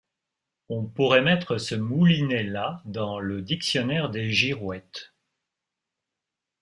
On pourrait mettre ce moulinet-là dans le dictionnaire des girouettes.